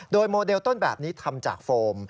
โดยโมเดลต้นแบบนี้ทำจากโฟม